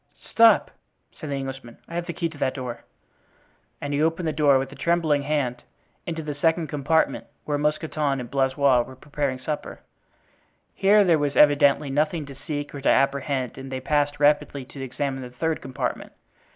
"Stop!" said the Englishman, "I have the key of that door;" and he opened the door, with a trembling hand, into the second compartment, where Mousqueton and Blaisois were preparing supper. Here there was evidently nothing to seek or to apprehend and they passed rapidly to examine the third compartment.